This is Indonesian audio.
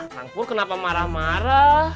kang pur kenapa marah marah